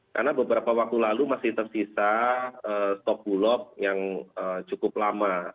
karena beberapa waktu lalu masih tersisa stok bulog yang cukup lama